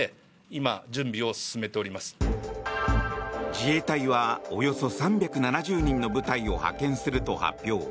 自衛隊はおよそ３７０人の部隊を派遣すると発表。